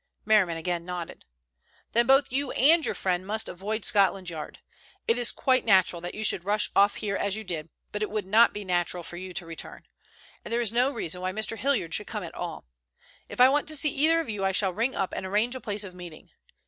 Merriman again nodded. "Then both you and your friend must avoid Scotland Yard. It is quite natural that you should rush off here as you did, but it would not be natural for you to return. And there is no reason why Mr. Hilliard should come at all. If I want to see either of you I shall ring up and arrange a place of meeting.